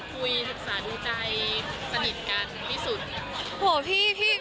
คุยศึกษาดูใจสนิทกันที่สุด